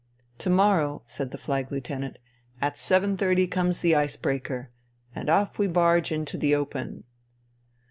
" To morrow,'* said the Flag Lieutenant, " at 7.30 comes the ice breaker, and off we barge into the open."